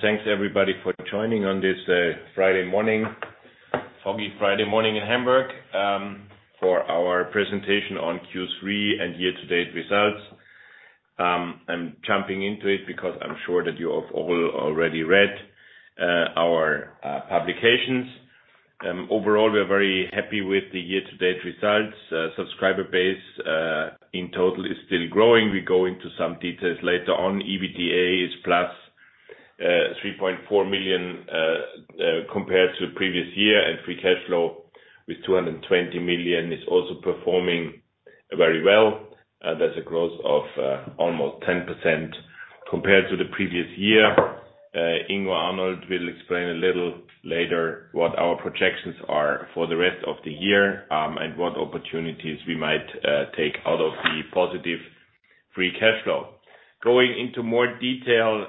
Thanks everybody for joining on this foggy Friday morning in Hamburg, for our presentation on Q3 and year-to-date results. I'm jumping into it because I'm sure that you have all already read our publications. Overall, we are very happy with the year-to-date results. Subscriber base, in total, is still growing. We go into some details later on. EBITDA is +3.4 million compared to previous year, and free cash flow with 220 million is also performing very well. That's a growth of almost 10% compared to the previous year. Ingo Arnold will explain a little later what our projections are for the rest of the year, and what opportunities we might take out of the positive free cash flow. Going into more detail,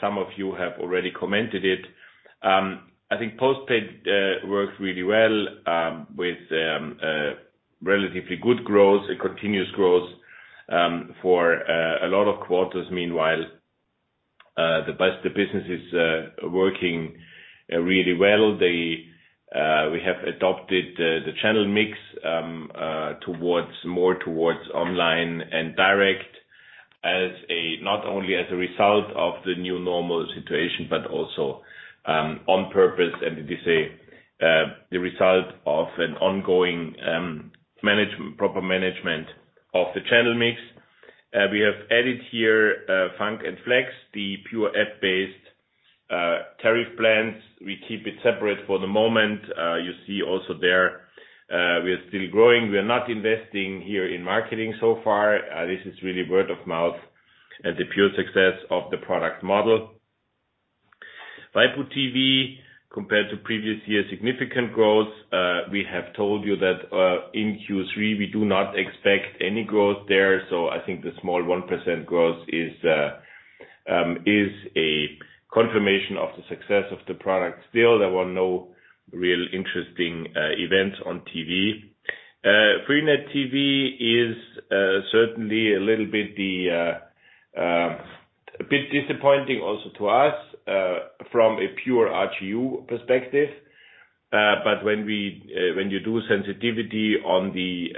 some of you have already commented it. I think postpaid works really well, with relatively good growth and continuous growth for a lot of quarters meanwhile. The business is working really well. We have adopted the channel mix more towards online and direct, not only as a result of the new normal situation, but also on purpose and as a result of an ongoing proper management of the channel mix. We have added here FUNK and FLEX, the pure app-based tariff plans. We keep it separate for the moment. You see also there, we are still growing. We are not investing here in marketing so far. This is really word of mouth, and the pure success of the product model. Waipu.tv, compared to previous year, significant growth. We have told you that in Q3 we do not expect any growth there, so I think the small 1% growth is a confirmation of the success of the product. Still, there were no real interesting events on TV. freenet TV is certainly a bit disappointing also to us from a pure RGU perspective. When you do sensitivity on the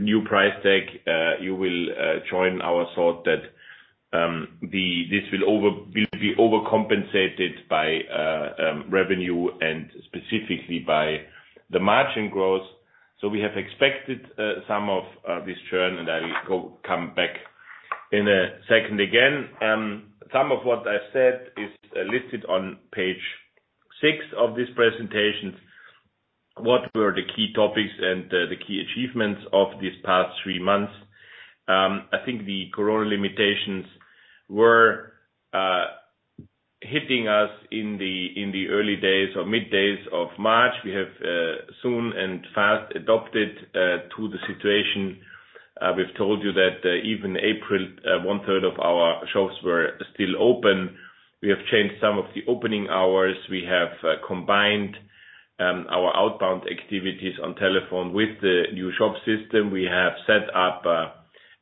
new price tag, you will join our thought that this will be overcompensated by revenue and specifically by the margin growth. We have expected some of this churn, and I will come back in a second again. Some of what I said is listed on page six of this presentation. What were the key topics and the key achievements of these past three months? I think the Corona limitations were hitting us in the early days or mid days of March. We have soon and fast adopted to the situation. We've told you that even April, one third of our shops were still open. We have changed some of the opening hours. We have combined our outbound activities on telephone with the new shop system. We have set up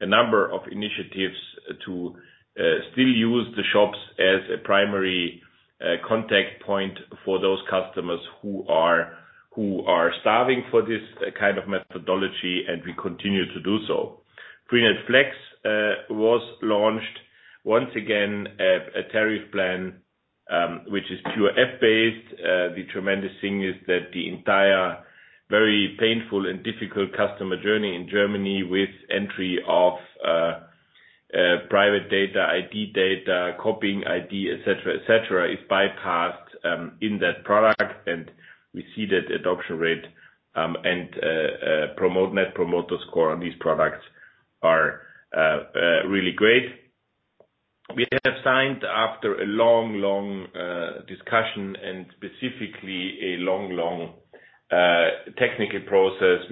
a number of initiatives to still use the shops as a primary contact point for those customers who are starving for this kind of methodology, and we continue to do so. freenet FLEX was launched, once again, a tariff plan, which is pure app-based. The tremendous thing is that the entire, very painful and difficult customer journey in Germany with entry of private data, ID data, copying ID, et cetera, is bypassed in that product. We see that adoption rate and Net Promoter Score on these products are really great. We have signed after a long discussion and specifically a long technical process,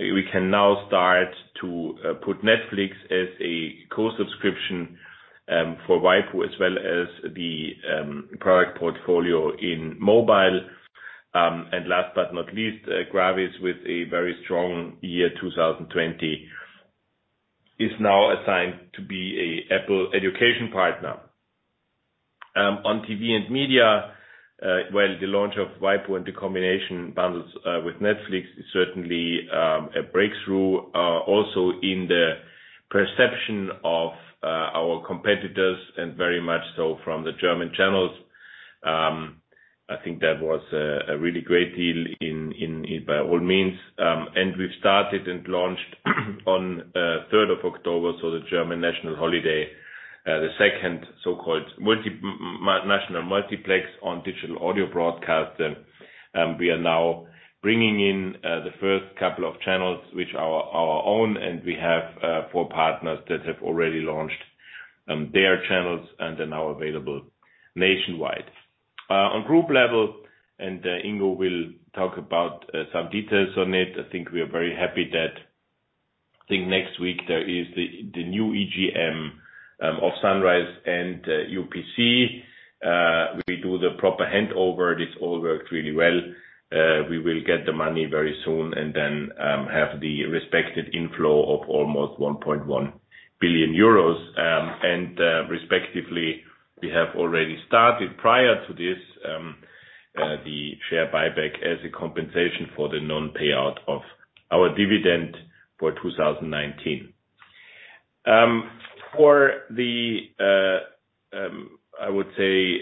we can now start to put Netflix as a core subscription for waipu, as well as the product portfolio in mobile. Last but not least, Gravis with a very strong year 2020, is now assigned to be an Apple education partner. On TV and media, well, the launch of waipu and the combination bundles with Netflix is certainly a breakthrough, also in the perception of our competitors and very much so from the German channels. I think that was a really great deal by all means. We've started and launched on 3rd of October, so the German national holiday, the second so-called national multiplex on Digital Audio Broadcasting. We are now bringing in the first couple of channels, which are our own, and we have four partners that have already launched their channels and are now available nationwide. On group level, and Ingo will talk about some details on it, I think we are very happy that, I think next week there is the new EGM of Sunrise and UPC. We do the proper handover. This all worked really well. We will get the money very soon and then have the respective inflow of almost 1.1 billion euros. Respectively, we have already started, prior to this, the share buyback as a compensation for the non-payout of our dividend for 2019. For the, I would say,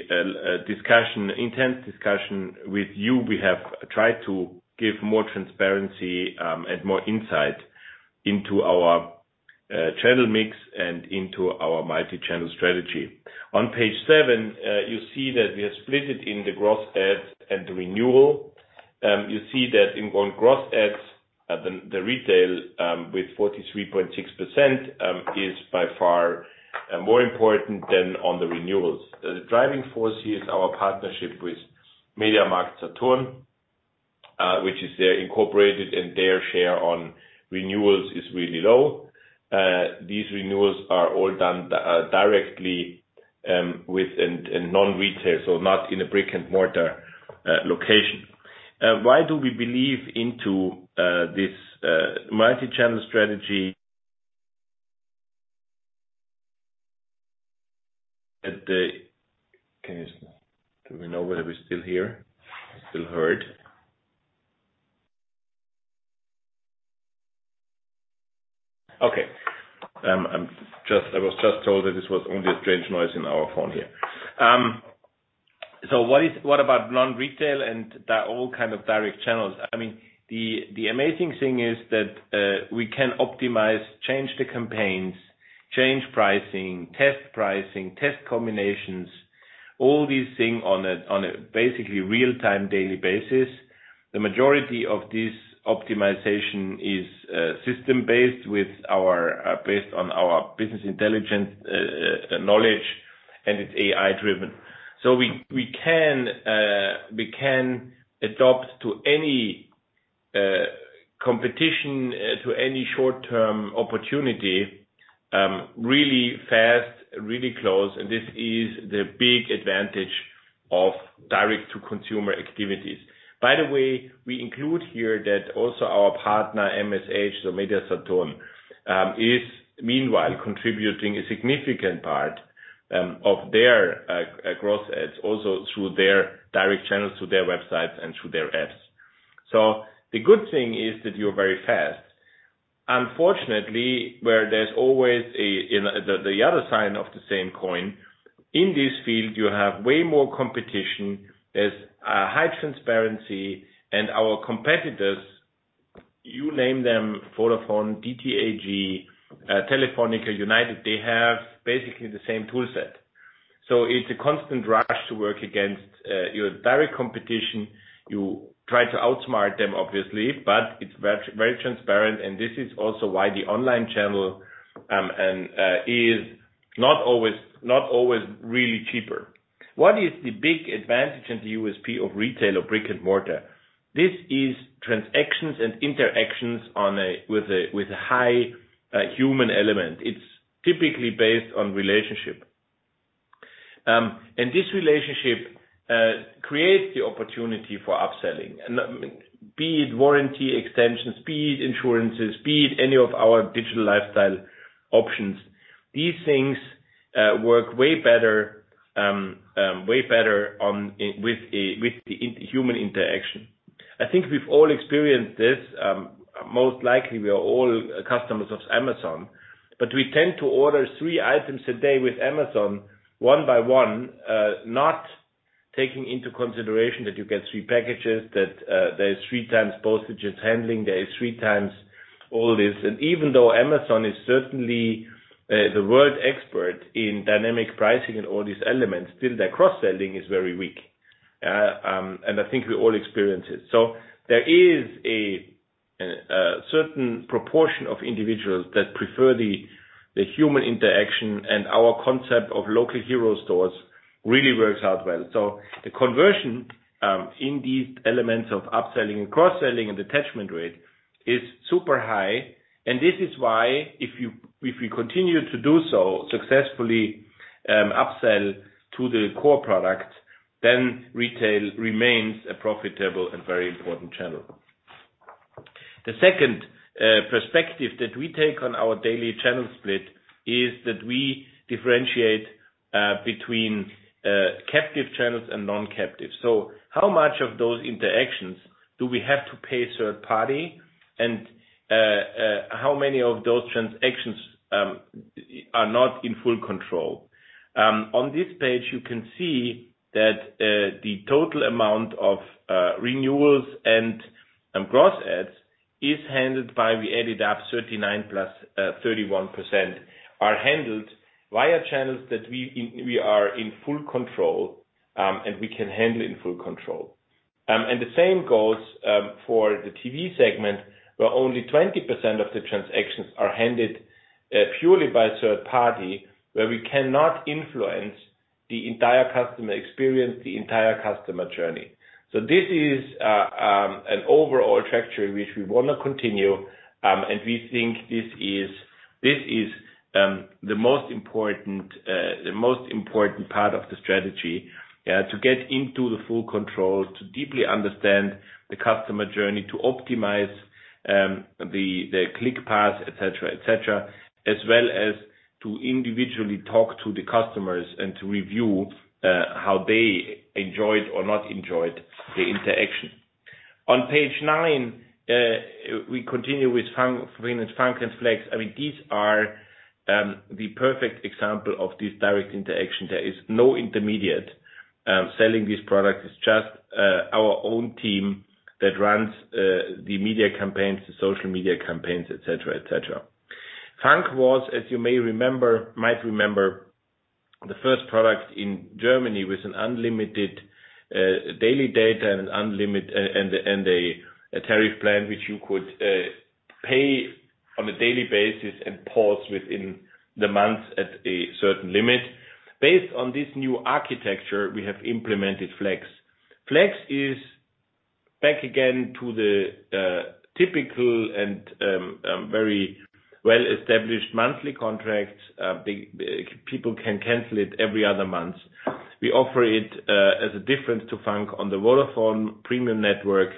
intense discussion with you, we have tried to give more transparency and more insight into our channel mix and into our multi-channel strategy. On page seven, you see that we are split it in the gross adds and the renewal. You see that in gross adds, the retail, with 43.6%, is by far more important than on the renewals. The driving force here is our partnership with MediaMarktSaturn, which is incorporated, and their share on renewals is really low. These renewals are all done directly with non-retail, so not in a brick-and-mortar location. Why do we believe into this multi-channel strategy? Do we know whether we're still here? Still heard? Okay. I was just told that this was only a strange noise in our phone here. What about non-retail and that all kind of direct channels? The amazing thing is that we can optimize, change the campaigns, change pricing, test pricing, test combinations, all these things on a basically real-time daily basis. The majority of this optimization is system-based based on our business intelligence knowledge, and it's AI-driven. We can adopt to any competition, to any short-term opportunity, really fast, really close, and this is the big advantage of direct-to-consumer activities. By the way, we include here that also our partner, MSH, the Media-Saturn, is meanwhile contributing a significant part of their growth adds also through their direct channels to their websites and through their apps. The good thing is that you're very fast. Unfortunately, where there's always the other side of the same coin, in this field, you have way more competition. There's a high transparency, and our competitors, you name them, Vodafone, DT AG, Telefónica, United, they have basically the same tool set. It's a constant rush to work against your direct competition. You try to outsmart them, obviously, but it's very transparent, and this is also why the online channel is not always really cheaper. What is the big advantage in the USP of retail or brick-and-mortar? This is transactions and interactions with a high human element. It's typically based on relationship. This relationship creates the opportunity for upselling, be it warranty extensions, be it insurances, be it any of our Digital Lifestyle options. These things work way better with the human interaction. I think we've all experienced this. Most likely, we are all customers of Amazon, we tend to order three items a day with Amazon one by one, not taking into consideration that you get three packages, that there's three times postage and handling, there is three times all this. Even though Amazon is certainly the world expert in dynamic pricing and all these elements, still their cross-selling is very weak. I think we all experience it. There is a certain proportion of individuals that prefer the human interaction, our concept of local hero stores really works out well. The conversion in these elements of upselling and cross-selling and attachment rate is super high, this is why if we continue to do so successfully upsell to the core product, retail remains a profitable and very important channel. The second perspective that we take on our daily channel split is that we differentiate between captive channels and non-captive. How much of those interactions do we have to pay third party, and how many of those transactions are not in full control? On this page, you can see that the total amount of renewals and gross adds, 39%+31%, are handled via channels that we are in full control, and we can handle in full control. The same goes for the TV segment, where only 20% of the transactions are handled purely by a third party, where we cannot influence the entire customer experience, the entire customer journey. This is an overall trajectory which we want to continue, and we think this is the most important part of the strategy, to get into the full control, to deeply understand the customer journey, to optimize the click path, et cetera, as well as to individually talk to the customers and to review how they enjoyed or not enjoyed the interaction. On page nine, we continue with freenet FUNK and FLEX. These are the perfect example of these direct interactions. There is no intermediate selling these products. It's just our own team that runs the media campaigns, the social media campaigns, et cetera. FUNK was, as you might remember, the first product in Germany with an unlimited daily data and a tariff plan which you could pay on a daily basis and pause within the month at a certain limit. Based on this new architecture, we have implemented FLEX. FLEX is back again to the typical and very well-established monthly contracts. People can cancel it every other month. We offer it as a difference to FUNK on the Vodafone premium network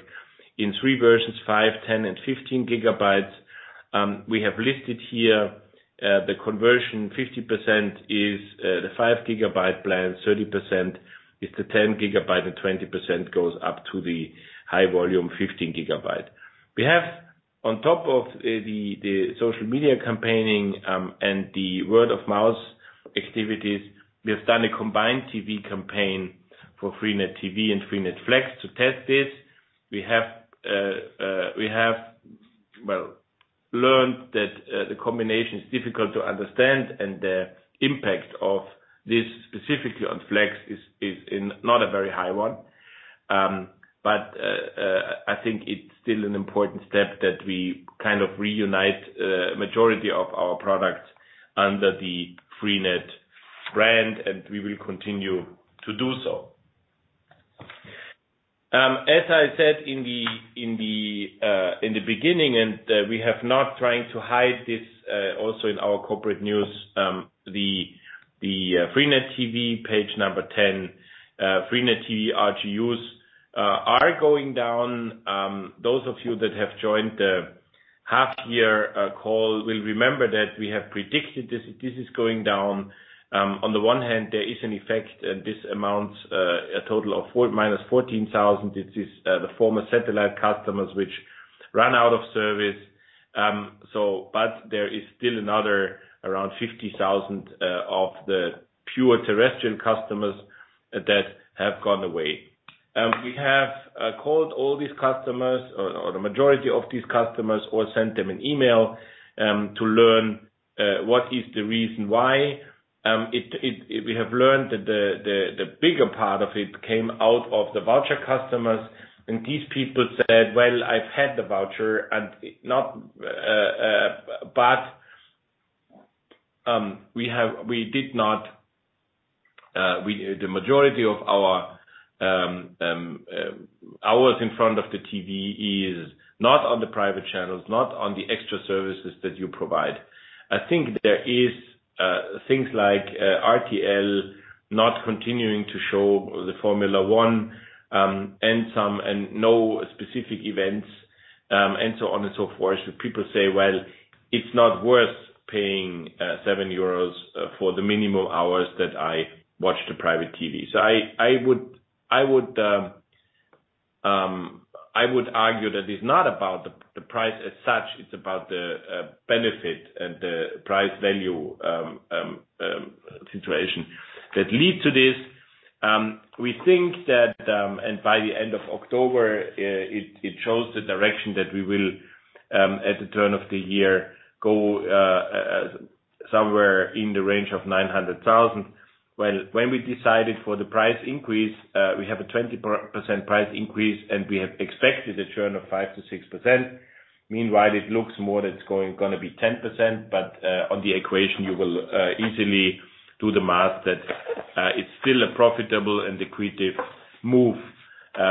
in three versions, 5GB, 10GB, and 15GB. We have listed here the conversion, 50% is the 5GB plan, 30% is the 10GB, and 20% goes up to the high volume 15GB. We have on top of the social media campaigning, and the word-of-mouth activities, we have done a combined TV campaign for freenet TV and freenet FLEX to test this. We have learned that the combination is difficult to understand, and the impact of this specifically on FLEX is not a very high one. I think it's still an important step that we reunite majority of our products under the freenet brand, and we will continue to do so. As I said in the beginning, and we have not trying to hide this, also in our corporate news, the freenet TV, page number 10, freenet TV RGUs are going down. Those of you that have joined the half-year call will remember that we have predicted this. This is going down. On the one hand, there is an effect, this amounts a total of -14,000. This is the former satellite customers which run out of service. There is still another around 50,000 of the pure terrestrial customers that have gone away. We have called all these customers, or the majority of these customers, or sent them an email, to learn what is the reason why. We have learned that the bigger part of it came out of the voucher customers. These people said, "Well, I've had the voucher, but the majority of our hours in front of the TV is not on the private channels, not on the extra services that you provide." I think there is things like RTL not continuing to show the Formula One, and no specific events, and so on and so forth. People say, "Well, it's not worth paying 7 euros for the minimal hours that I watch the private TV." I would argue that it's not about the price as such, it's about the benefit and the price value situation that lead to this. We think that, and by the end of October, it shows the direction that we will, at the turn of the year, go somewhere in the range of 900,000. Well, when we decided for the price increase, we have a 20% price increase. We have expected a churn of 5%-6%. Meanwhile, it looks more that it's going to be 10%, but on the equation, you will easily do the math that it's still a profitable and accretive move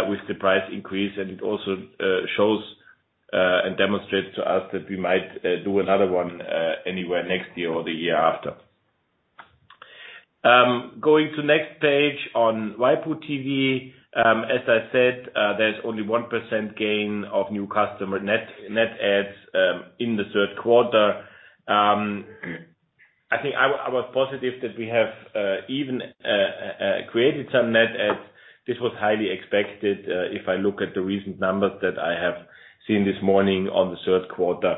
with the price increase. It also shows and demonstrates to us that we might do another one anywhere next year or the year after. Going to next page on waipu.tv. As I said, there's only 1% gain of new customer net adds in the third quarter. I think I was positive that we have even created some net adds. This was highly expected if I look at the recent numbers that I have seen this morning on the third quarter.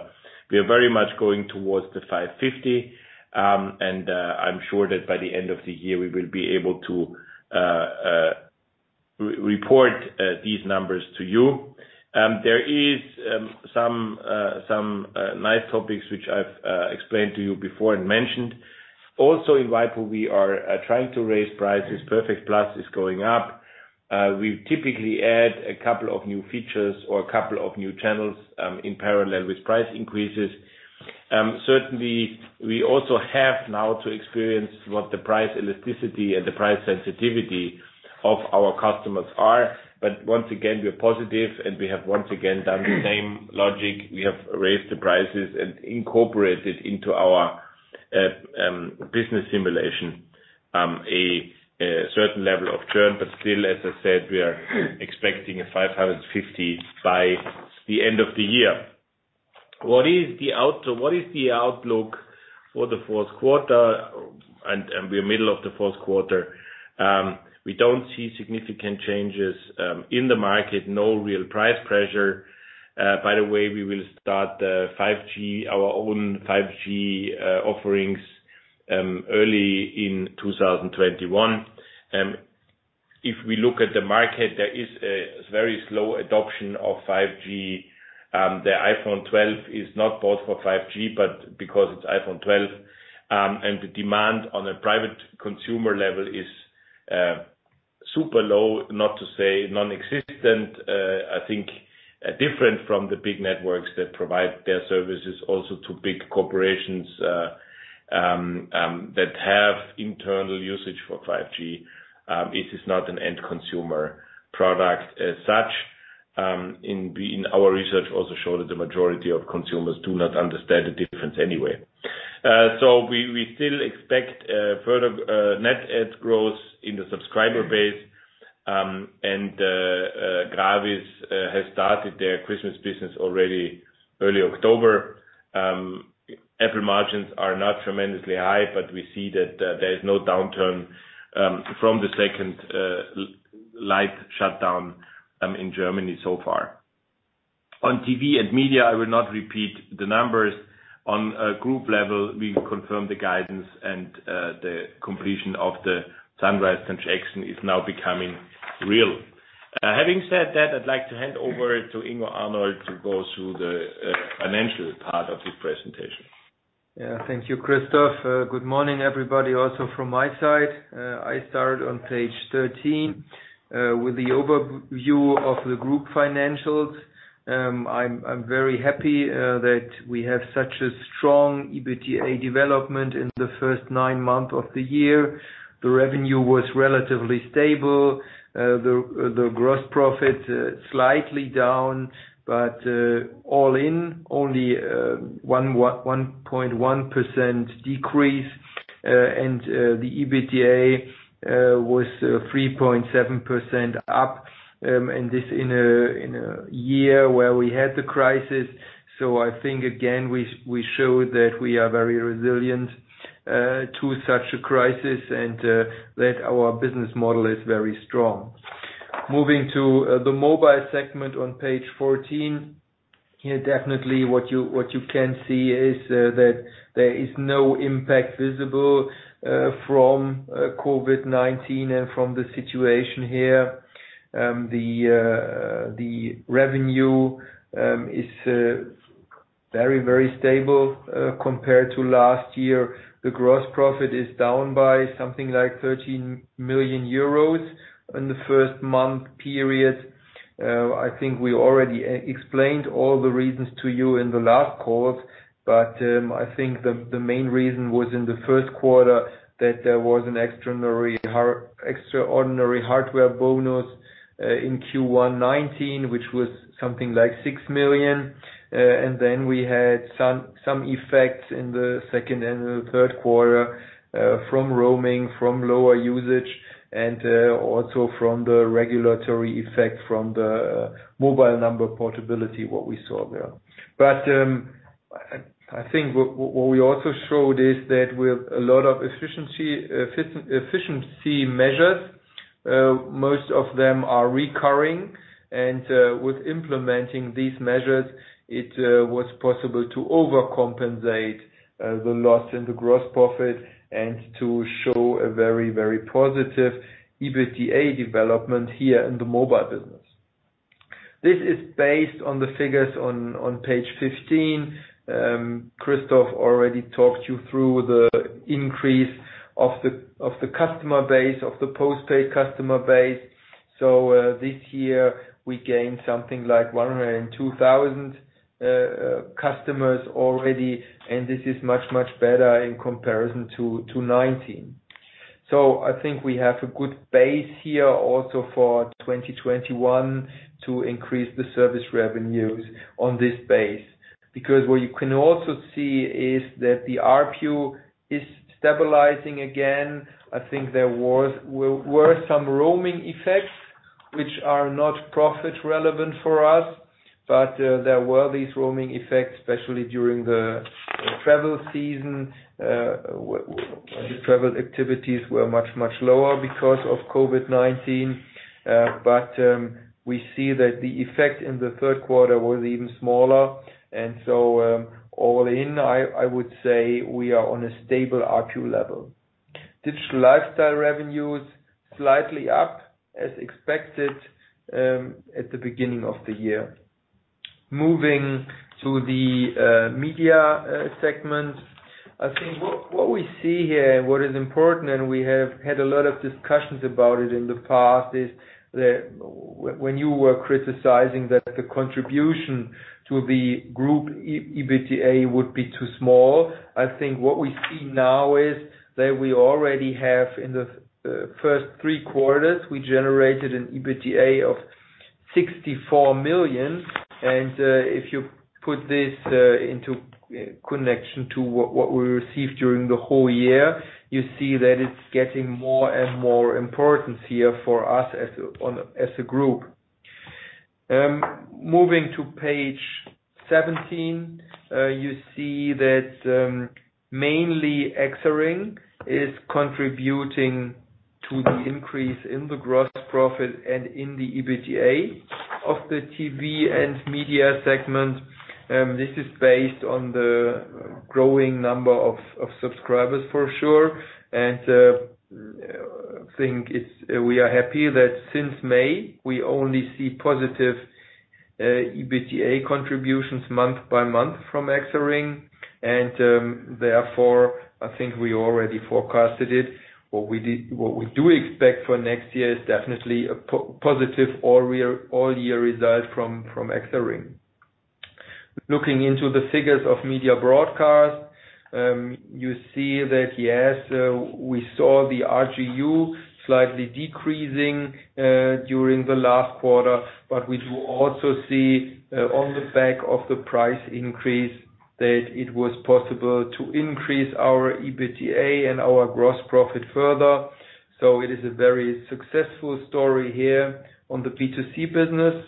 We are very much going towards the 550, and I'm sure that by the end of the year, we will be able to report these numbers to you. There is some nice topics which I've explained to you before and mentioned. In waipu, we are trying to raise prices. Perfect Plus is going up. We typically add a couple of new features or a couple of new channels in parallel with price increases. We also have now to experience what the price elasticity and the price sensitivity of our customers are. Once again, we are positive, and we have once again done the same logic. We have raised the prices and incorporated into our business simulation, a certain level of churn. Still, as I said, we are expecting a 550 by the end of the year. What is the outlook for the fourth quarter? We're middle of the fourth quarter. We don't see significant changes in the market, no real price pressure. By the way, we will start our own 5G offerings early in 2021. If we look at the market, there is a very slow adoption of 5G. The iPhone 12 is not bought for 5G, but because it's iPhone 12. The demand on a private consumer level is super low, not to say nonexistent. I think different from the big networks that provide their services also to big corporations, that have internal usage for 5G. It is not an end consumer product as such. In our research, also show that the majority of consumers do not understand the difference anyway. We still expect further net add growth in the subscriber base. Gravis has started their Christmas business already early October. Apple margins are not tremendously high, but we see that there is no downturn from the second light shutdown in Germany so far. On TV and media, I will not repeat the numbers. On a group level, we confirm the guidance and the completion of the Sunrise transaction is now becoming real. Having said that, I'd like to hand over to Ingo Arnold to go through the financial part of the presentation. Thank you, Christoph. Good morning, everybody also from my side. I start on page 13, with the overview of the group financials. I'm very happy that we have such a strong EBITDA development in the first nine month of the year. The revenue was relatively stable. The gross profit slightly down, all in, only 1.1% decrease. The EBITDA was 3.7% up, and this in a year where we had the crisis. I think, again, we showed that we are very resilient to such a crisis and that our business model is very strong. Moving to the mobile segment on page 14. Here, definitely what you can see is that there is no impact visible from COVID-19 and from the situation here. The revenue is very stable compared to last year. The gross profit is down by something like 13 million euros in the first month period. I think we already explained all the reasons to you in the last call. I think the main reason was in the first quarter that there was an extraordinary hardware bonus in Q1 2019, which was something like 6 million. Then we had some effects in the second and the third quarter, from roaming, from lower usage and also from the regulatory effect from the mobile number portability, what we saw there. I think what we also showed is that with a lot of efficiency measures, most of them are recurring. With implementing these measures, it was possible to overcompensate the loss in the gross profit and to show a very positive EBITDA development here in the mobile business. This is based on the figures on page 15. Christoph already talked you through the increase of the post-paid customer base. This year we gained something like 102,000 customers already, and this is much better in comparison to 2019. I think we have a good base here also for 2021 to increase the service revenues on this base. Because what you can also see is that the ARPU is stabilizing again. I think there were some roaming effects which are not profit relevant for us. There were these roaming effects, especially during the travel season, the travel activities were much lower because of COVID-19. We see that the effect in the third quarter was even smaller. All in, I would say we are on a stable ARPU level. Digital Lifestyle revenues slightly up as expected at the beginning of the year. Moving to the media segment. I think what we see here and what is important, we have had a lot of discussions about it in the past, is that when you were criticizing that the contribution to the group EBITDA would be too small. I think what we see now is that we already have in the first three quarters, we generated an EBITDA of 64 million. If you put this into connection to what we received during the whole year, you see that it's getting more and more important here for us as a group. Moving to page 17, you see that mainly EXARING is contributing to the increase in the gross profit and in the EBITDA of the TV and media segment. This is based on the growing number of subscribers, for sure. I think we are happy that since May, we only see positive EBITDA contributions month by month from EXARING. Therefore, I think we already forecasted it. What we do expect for next year is definitely a positive all year result from EXARING. Looking into the figures of Media Broadcast, you see that, yes, we saw the RGU slightly decreasing during the last quarter, but we do also see on the back of the price increase, that it was possible to increase our EBITDA and our gross profit further. It is a very successful story here on the B2C business.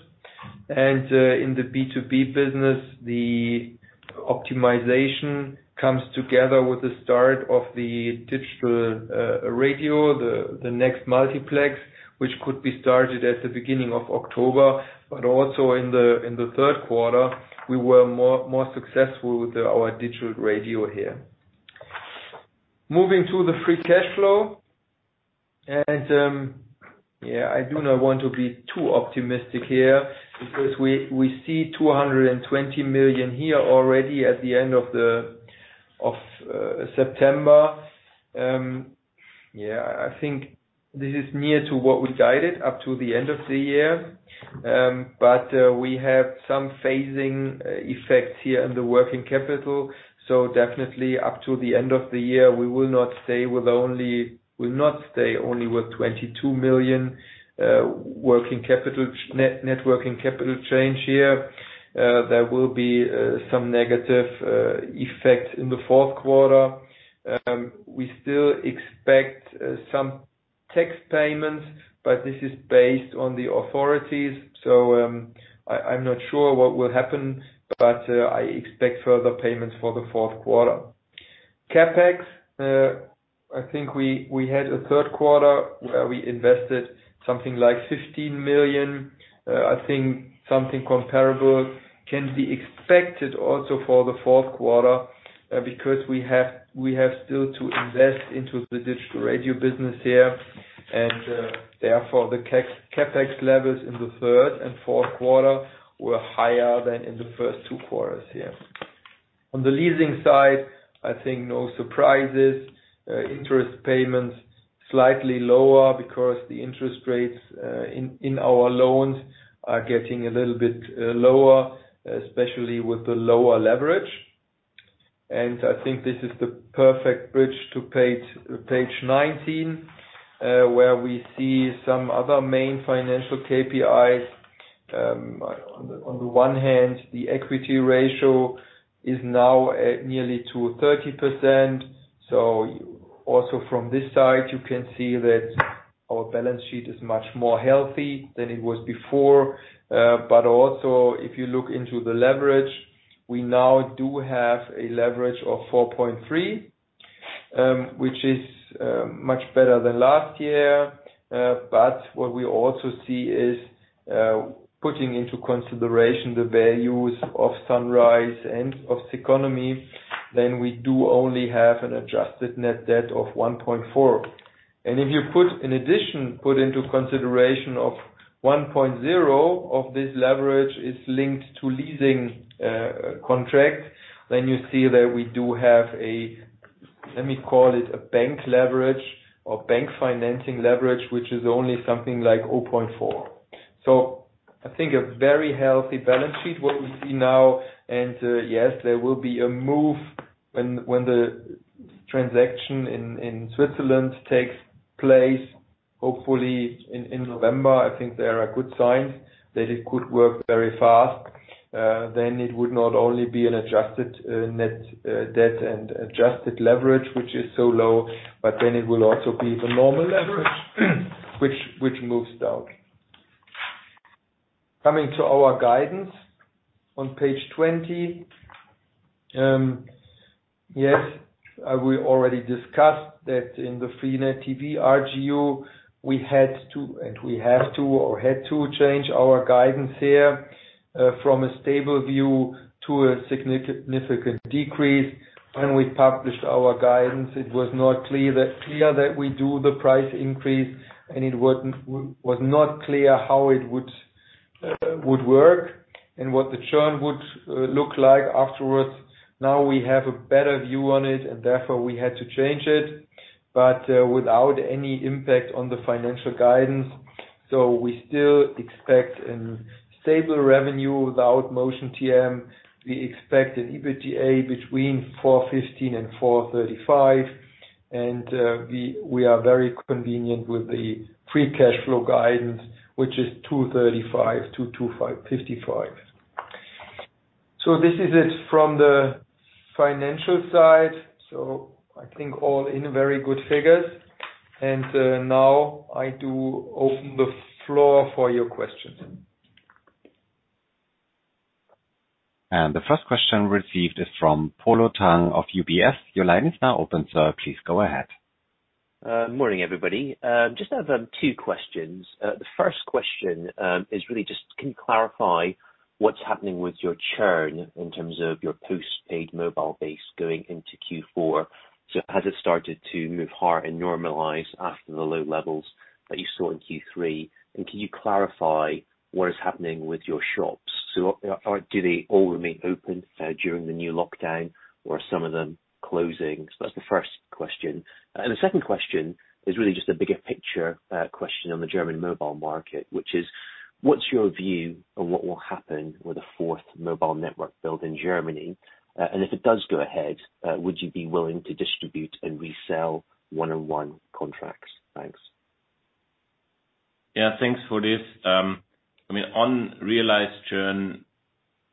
In the B2B business, the optimization comes together with the start of the digital radio, the next multiplex, which could be started at the beginning of October, but also in the third quarter, we were more successful with our digital radio here. Moving to the free cash flow. I do not want to be too optimistic here because we see 220 million here already at the end of September. I think this is near to what we guided up to the end of the year. We have some phasing effects here in the working capital. Definitely up to the end of the year, we will not stay only with 22 million net working capital change here. There will be some negative effect in the fourth quarter. We still expect some tax payments, but this is based on the authorities, so I'm not sure what will happen, but I expect further payments for the fourth quarter. CapEx, I think we had a third quarter where we invested something like 15 million. I think something comparable can be expected also for the fourth quarter. We have still to invest into the digital radio business here. Therefore the CapEx levels in the third and fourth quarter were higher than in the first two quarters here. On the leasing side, I think no surprises. Interest payments slightly lower. The interest rates in our loans are getting a little bit lower, especially with the lower leverage. I think this is the perfect bridge to page 19, where we see some other main financial KPIs. On the one hand, the equity ratio is now at nearly 230%. Also from this side, you can see that our balance sheet is much more healthy than it was before. Also, if you look into the leverage, we now do have a leverage of 4.3, which is much better than last year. What we also see is, putting into consideration the values of Sunrise and of CECONOMY, we do only have an adjusted net debt of 1.4x. If you, in addition, put into consideration of 1.0x of this leverage is linked to leasing contracts, you see that we do have a, let me call it a bank leverage or bank financing leverage, which is only something like 0.4x. I think a very healthy balance sheet, what we see now. Yes, there will be a move when the transaction in Switzerland takes place, hopefully in November. I think there are good signs that it could work very fast. It would not only be an adjusted net debt and adjusted leverage, which is so low, but then it will also be the normal leverage, which moves down. Coming to our guidance on page 20. Yes, we already discussed that in the freenet TV RGU, we had to change our guidance here, from a stable view to a significant decrease. When we published our guidance, it was not clear that we do the price increase, and it was not clear how it would work and what the churn would look like afterwards. Now we have a better view on it, and therefore we had to change it, but without any impact on the financial guidance. We still expect a stable revenue without Motion TM. We expect an EBITDA between 415 million and 435 million. We are very confident with the free cash flow guidance, which is 235 million-255 million. This is it from the financial side. I think all in very good figures. Now I do open the floor for your questions. The first question received is from Polo Tang of UBS. Your line is now open, sir. Please go ahead. Morning, everybody. Just have two questions. The first question is really just, can you clarify what's happening with your churn in terms of your post-paid mobile base going into Q4? Has it started to move hard and normalize after the low levels that you saw in Q3? Can you clarify what is happening with your shops? Do they all remain open during the new lockdown or are some of them closing? That's the first question. The second question is really just a bigger picture question on the German mobile market, which is: What's your view on what will happen with the fourth mobile network build in Germany? If it does go ahead, would you be willing to distribute and resell 1&1 contracts? Thanks. Yeah, thanks for this. On realized churn,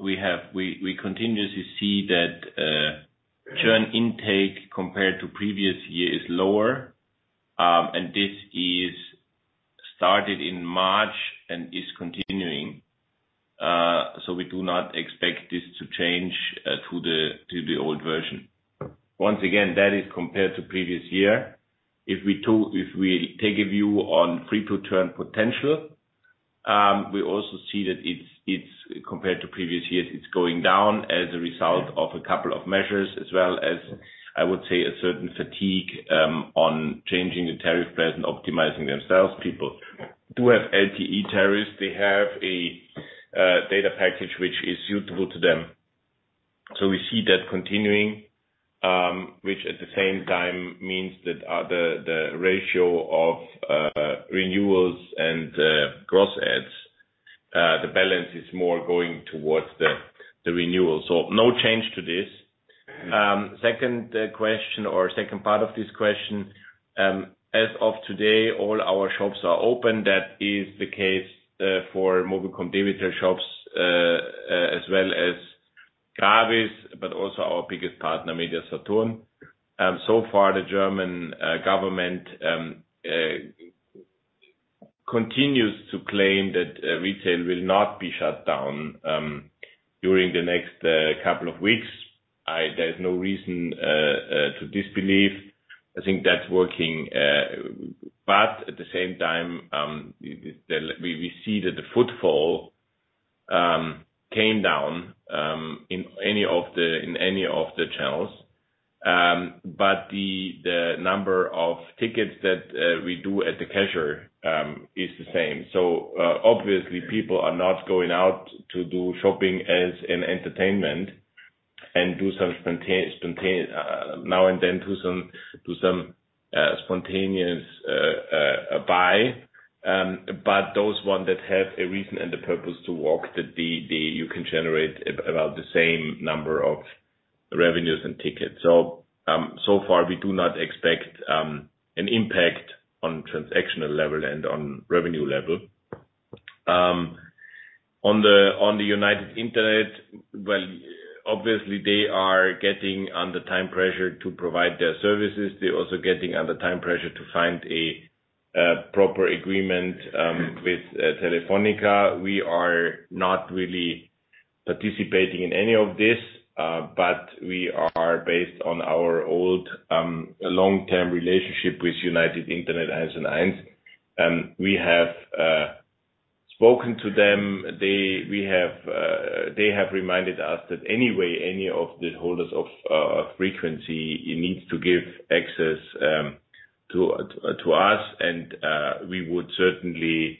we continuously see that churn intake compared to previous year is lower. This is started in March and is continuing. We do not expect this to change to the old version. Once again, that is compared to previous year. If we take a view on free-to-churn potential, we also see that compared to previous years, it's going down as a result of a couple of measures as well as, I would say, a certain fatigue on changing the tariff plans and optimizing themselves. People do have LTE tariffs. They have a data package which is suitable to them. We see that continuing, which at the same time means that the ratio of renewals and gross adds, the balance is more going towards the renewal. No change to this. Second question or second part of this question. As of today, all our shops are open. That is the case for mobilcom-debitel shops, as well as Gravis, also our biggest partner, Media-Saturn. So far, the German government continues to claim that retail will not be shut down during the next couple of weeks. There's no reason to disbelieve. I think that's working. At the same time, we see that the footfall came down in any of the channels. The number of tickets that we do at the cashier is the same. Obviously people are not going out to do shopping as an entertainment and now and then do some spontaneous buy. Those one that have a reason and the purpose to walk, you can generate about the same number of revenues and tickets. So far, we do not expect an impact on transactional level and on revenue level. On the United Internet, well, obviously, they are getting under time pressure to provide their services. They're also getting under time pressure to find a proper agreement with Telefónica. We are not really participating in any of this, but we are based on our old long-term relationship with United Internet as an ISP. We have spoken to them. They have reminded us that anyway, any of the holders of frequency needs to give access to us, and we would certainly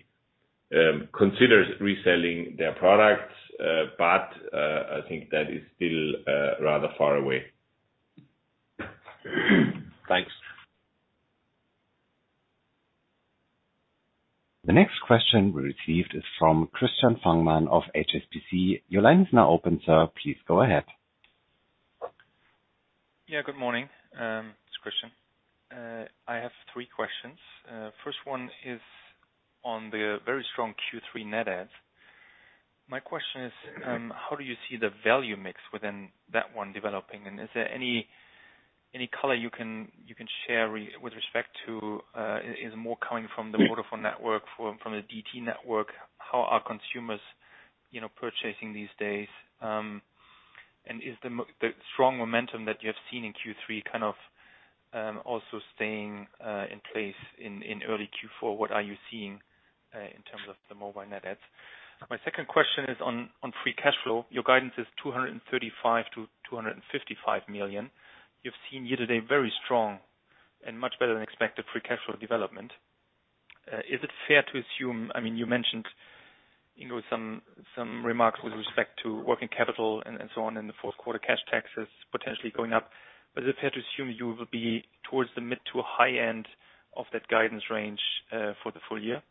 consider reselling their products. I think that is still rather far away. Thanks. The next question we received is from Christian Fangmann of HSBC. Your line is now open, sir. Please go ahead. Yeah, good morning. It's Christian. I have three questions. First one is on the very strong Q3 net adds. My question is, how do you see the value mix within that one developing? Is there any color you can share with respect to, is more coming from the Vodafone network, from the DT network? How are consumers purchasing these days? Is the strong momentum that you have seen in Q3 kind of also staying in place in early Q4? What are you seeing in terms of the mobile net adds? My second question is on free cash flow. Your guidance is 235 million-255 million. You've seen year-to-date very strong and much better-than-expected free cash flow development. Is it fair to assume, you mentioned some remarks with respect to working capital and so on in the fourth quarter, cash taxes potentially going up, but is it fair to assume you will be towards the mid to high end of that guidance range for the full year?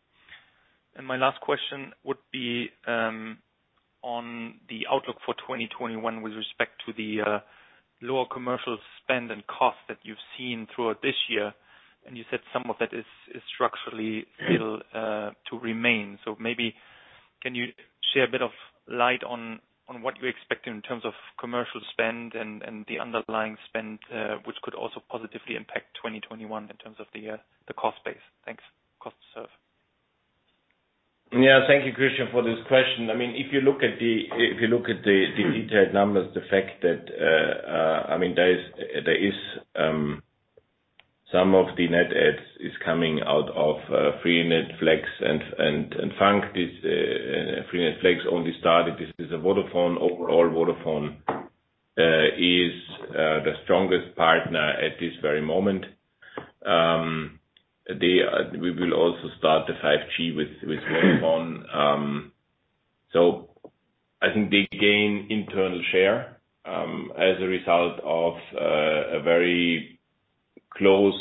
My last question would be on the outlook for 2021 with respect to the lower commercial spend and cost that you've seen throughout this year, and you said some of that is structurally still to remain. Maybe can you share a bit of light on what you're expecting in terms of commercial spend and the underlying spend, which could also positively impact 2021 in terms of the cost base? Thanks. Christoph. Thank you, Christian, for this question. If you look at the detailed numbers, the fact that some of the net adds is coming out of freenet FLEX and FUNK. This freenet FLEX only started, this is a Vodafone. Vodafone is the strongest partner at this very moment. We will also start the 5G with Vodafone. I think they gain internal share, as a result of a very close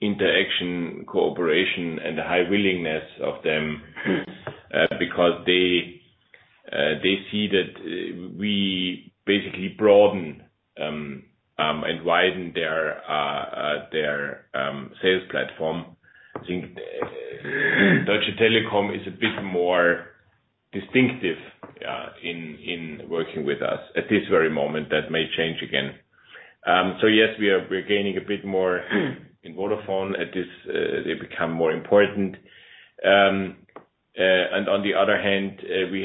interaction, cooperation, and the high willingness of them. They see that we basically broaden and widen their sales platform. I think Deutsche Telekom is a bit more distinctive in working with us at this very moment. That may change again. Yes, we are gaining a bit more in Vodafone. They become more important. On the other hand, we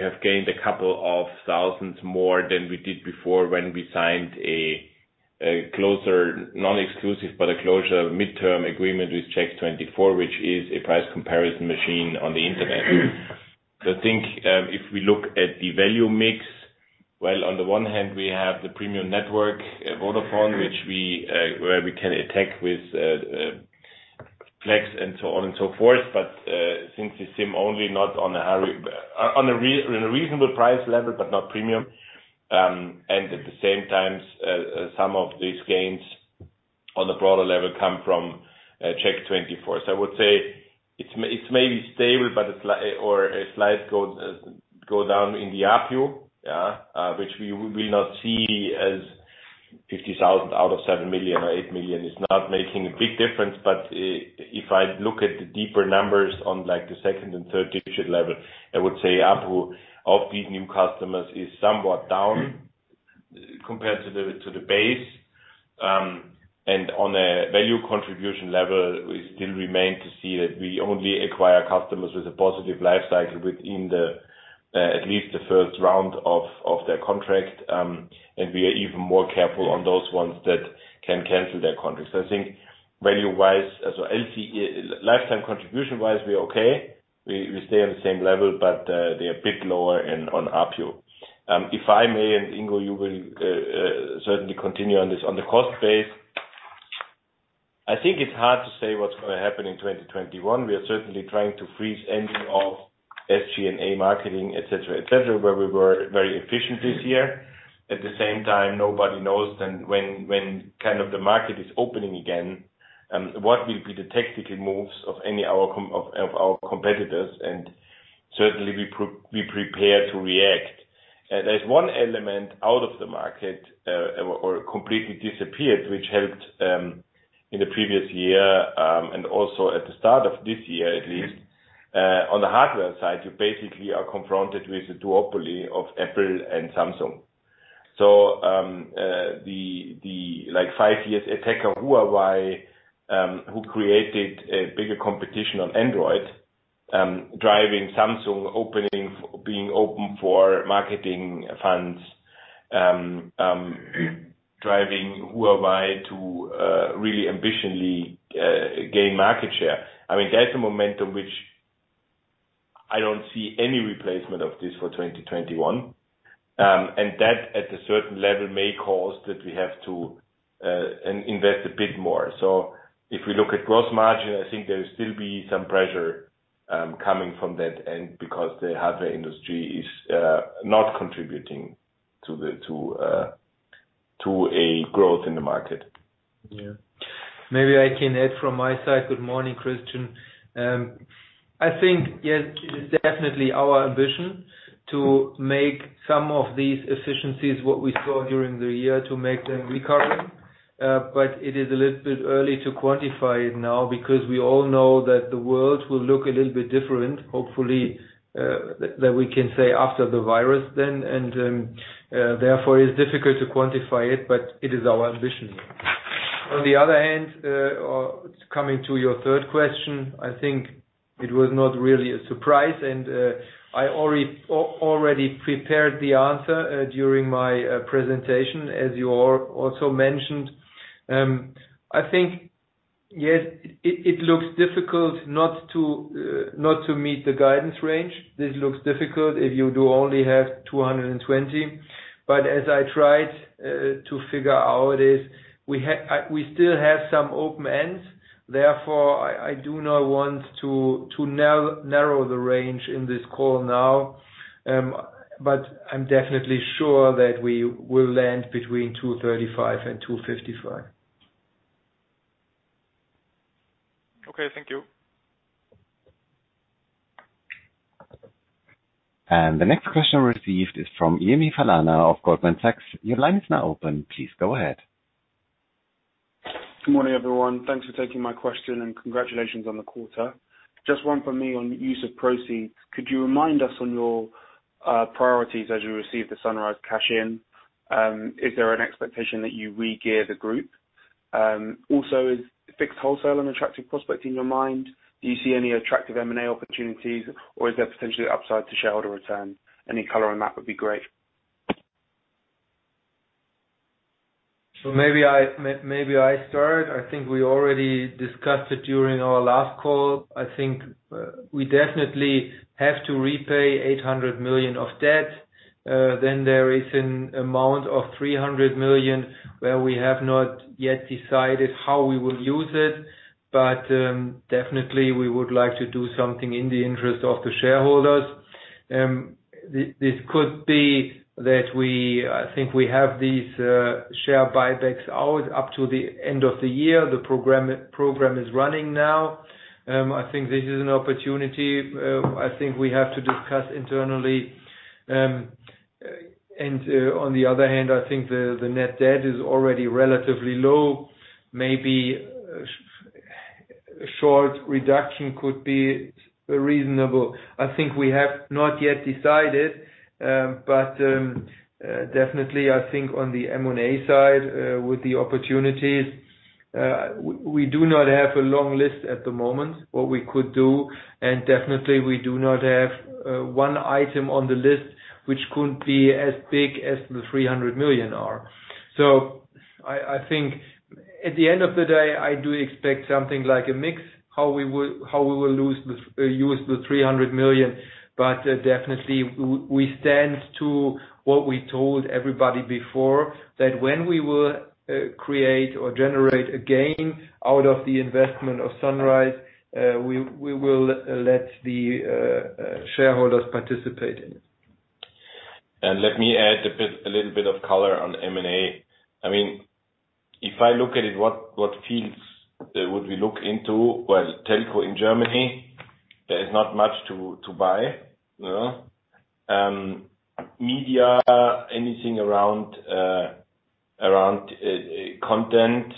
have gained a couple of thousands more than we did before when we signed a closer, non-exclusive, but a closer midterm agreement with Check24, which is a price comparison machine on the internet. I think, if we look at the value mix, while on the one hand, we have the premium network, Vodafone, where we can attack with FLEX and so on and so forth. Since you seem only on a reasonable price level, but not premium, and at the same time, some of these gains on the broader level come from Check24. I would say it's maybe stable or a slight go down in the ARPU, which we will not see as 50,000 out of 7 million or 8 million is not making a big difference. If I look at the deeper numbers on the second and third digit level, I would say ARPU of these new customers is somewhat down compared to the base. On a value contribution level, we still remain to see that we only acquire customers with a positive life cycle within at least the first round of their contract, and we are even more careful on those ones that can cancel their contracts. I think value-wise, LC, lifetime contribution-wise, we're okay. We stay on the same level, but they're a bit lower on ARPU. If I may. Ingo, you will certainly continue on this. On the cost base, I think it's hard to say what's going to happen in 2021. We are certainly trying to freeze any of SG&A marketing, et cetera. Where we were very efficient this year. At the same time, nobody knows then when the market is opening again, what will be the tactical moves of our competitors, and certainly we prepare to react. There's one element out of the market, or completely disappeared, which helped in the previous year, and also at the start of this year, at least. On the hardware side, you basically are confronted with the duopoly of Apple and Samsung. The five years attacker, Huawei, who created a bigger competition on Android, driving Samsung, being open for marketing funds, driving Huawei to really ambitiously gain market share. That's a momentum which I don't see any replacement of this for 2021. That, at a certain level, may cause that we have to invest a bit more. If we look at gross margin, I think there will still be some pressure coming from that end because the hardware industry is not contributing to a growth in the market. Yeah. Maybe I can add from my side. Good morning, Christian. I think, yes, it is definitely our ambition to make some of these efficiencies, what we saw during the year, to make them recurring. It is a little bit early to quantify it now because we all know that the world will look a little bit different, hopefully, that we can say after the virus then. Therefore, it's difficult to quantify it, but it is our ambition. On the other hand, coming to your third question, I think it was not really a surprise. I already prepared the answer during my presentation, as you also mentioned. I think, yes, it looks difficult not to meet the guidance range. This looks difficult if you do only have 220 million. As I tried to figure out, we still have some open ends. Therefore, I do not want to narrow the range in this call now. I'm definitely sure that we will land between 235 million and 255 million. Okay. Thank you. The next question received is from Yemi Falana of Goldman Sachs. Your line is now open. Please go ahead. Good morning, everyone. Thanks for taking my question, and congratulations on the quarter. Just one from me on use of proceeds. Could you remind us on your priorities as you receive the Sunrise cash in? Is there an expectation that you regear the group? Also, is fixed wholesale an attractive prospect in your mind? Do you see any attractive M&A opportunities, or is there potentially upside to shareholder return? Any color on that would be great. Maybe I start. I think we already discussed it during our last call. I think we definitely have to repay 800 million of debt. There is an amount of 300 million where we have not yet decided how we will use it. Definitely we would like to do something in the interest of the shareholders. This could be that we, I think we have these share buybacks out up to the end of the year. The program is running now. I think this is an opportunity I think we have to discuss internally. On the other hand, I think the net debt is already relatively low. Maybe a short reduction could be reasonable. I think we have not yet decided. Definitely I think on the M&A side, with the opportunities, we do not have a long list at the moment what we could do, and definitely we do not have one item on the list which could be as big as the 300 million are. I think at the end of the day, I do expect something like a mix, how we will use the 300 million. Definitely we stand to what we told everybody before that when we will create or generate a gain out of the investment of Sunrise, we will let the shareholders participate in it. Let me add a little bit of color on M&A. If I look at it, what fields would we look into? Well, telco in Germany, there is not much to buy. Media, anything around content,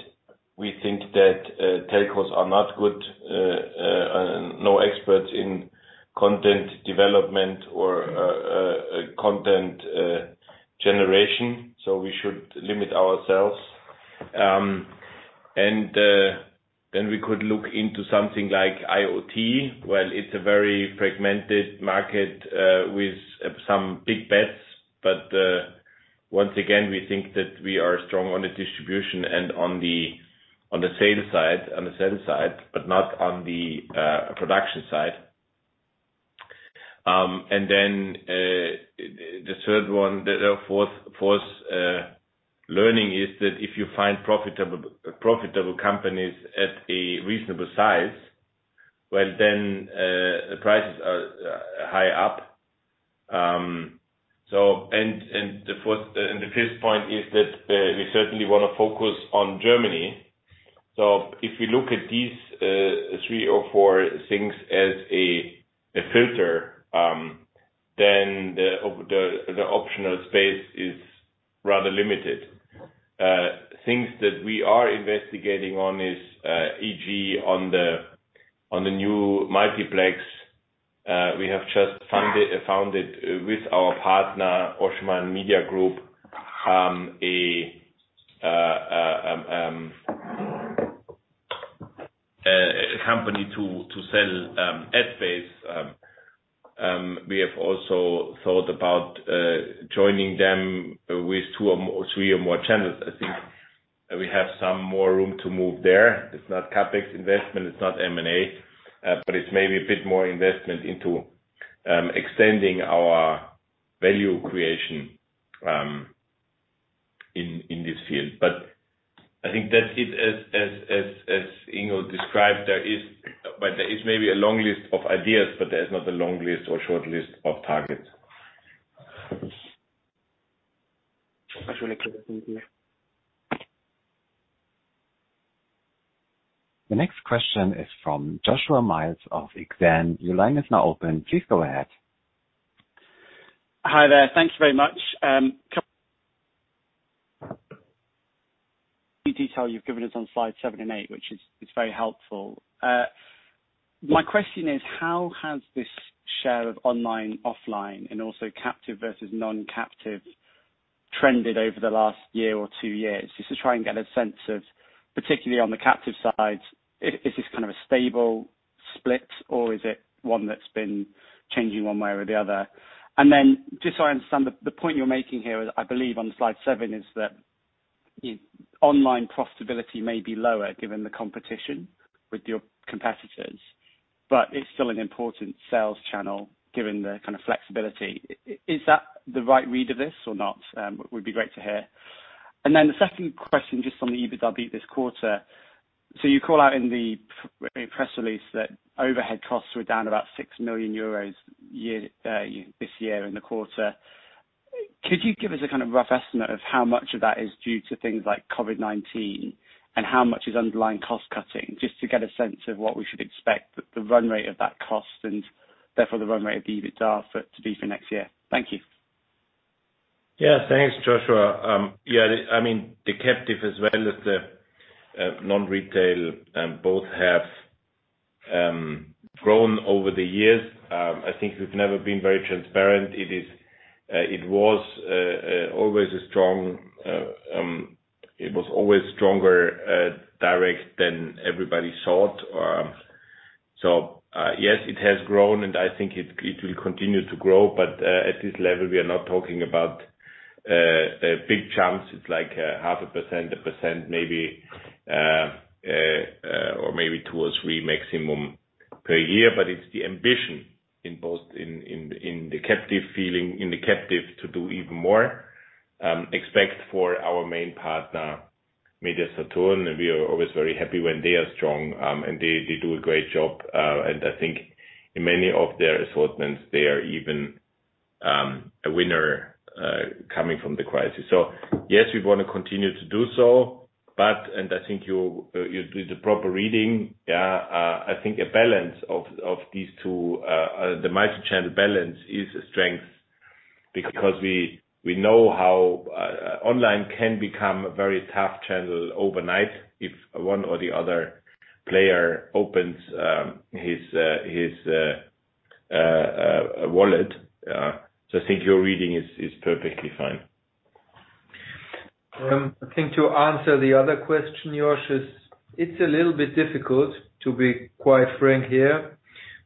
we think that telcos are not good, no experts in content development or content generation, so we should limit ourselves. Then we could look into something like IoT. Well, it's a very fragmented market with some big bets. Once again, we think that we are strong on the distribution and on the sales side, but not on the production side. Then the third one, the fourth learning is that if you find profitable companies at a reasonable size, well, then the prices are high up. The fifth point is that we certainly want to focus on Germany. If we look at these three or four things as a filter, then the optional space is rather limited. Things that we are investigating on is e.g. on the new multiplex. We have just founded with our partner, Oschmann Media Group, a company to sell ad space. We have also thought about joining them with two or more, three or more channels. I think we have some more room to move there. It's not CapEx investment, it's not M&A, but it's maybe a bit more investment into extending our value creation in this field. I think that it, as Ingo described, there is maybe a long list of ideas, but there is not a long list or short list of targets. That's really clear. Thank you. The next question is from Joshua Mills of Exane. Your line is now open. Please go ahead. Hi there. Thank you very much. Detail you've given us on slide seven and eight, which is very helpful. My question is, how has this share of online, offline, and also captive versus non-captive trended over the last year or two years? Just to try and get a sense of, particularly on the captive side, is this kind of a stable split, or is it one that's been changing one way or the other? Just so I understand, the point you're making here, I believe on slide seven, is that online profitability may be lower given the competition with your competitors, but it's still an important sales channel given the kind of flexibility. Is that the right read of this or not? Would be great to hear. The second question, just on the EBITDA beat this quarter. You call out in the press release that overhead costs were down about 6 million euros this year in the quarter. Could you give us a kind of rough estimate of how much of that is due to things like COVID-19 and how much is underlying cost-cutting, just to get a sense of what we should expect the run rate of that cost and therefore the run rate of the EBITDA to be for next year? Thank you. Thanks, Joshua. The captive as well as the non-retail, both have grown over the years. I think we've never been very transparent. It was always stronger direct than everybody thought. Yes, it has grown, and I think it will continue to grow, but at this level, we are not talking about big chunks. It's like 0.5%, 1% maybe, or maybe 2% or 3% maximum per year. It's the ambition in the captive to do even more, except for our main partner, Media-Saturn. We are always very happy when they are strong, and they do a great job. I think in many of their assortments, they are even a winner coming from the crisis. Yes, we want to continue to do so. I think you did the proper reading. I think a balance of these two, the multi-channel balance is a strength because we know how online can become a very tough channel overnight if one or the other player opens his wallet. I think your reading is perfectly fine. I think to answer the other question, Josh, it's a little bit difficult, to be quite frank here,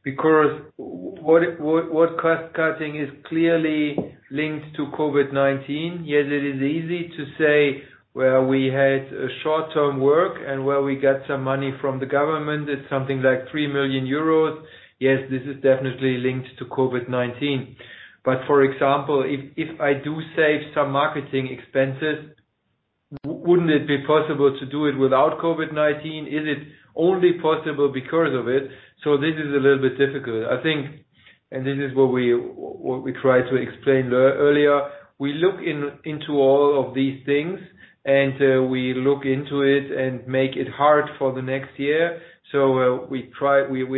because what cost-cutting is clearly linked to COVID-19. It is easy to say where we had short-term work and where we got some money from the government. It's something like 3 million euros. This is definitely linked to COVID-19. For example, if I do save some marketing expenses, wouldn't it be possible to do it without COVID-19? Is it only possible because of it? This is a little bit difficult. I think, and this is what we tried to explain earlier, we look into all of these things and we look into it and make it hard for the next year. We